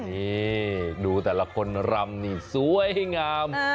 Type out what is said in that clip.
นี่ดูแต่ละคนรำนี่สวยงาม